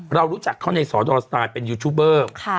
เรารู้จักเขาในสอดอสไตล์เป็นยูทูบเบอร์